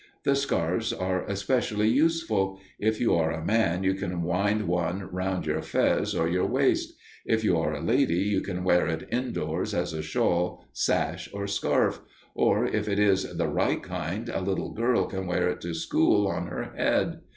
The scarfs are especially useful: if you are a man, you can wind one around your fez or your waist; if you are a lady, you can wear it indoors as a shawl, sash, or scarf; or, if it is the right kind, a little girl can wear it to school on her head.